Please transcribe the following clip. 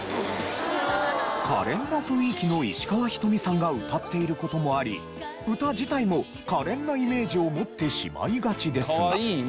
可憐な雰囲気の石川ひとみさんが歌っている事もあり歌自体も可憐なイメージを持ってしまいがちですが。